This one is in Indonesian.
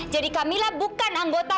jadi kamila bukan anggota kamila lagi